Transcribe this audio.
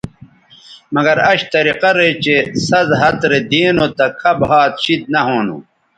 مگر اش طریقہ رے چہء سَز ھَت رے دی نو تہ کھب ھَات شید نہ ھونو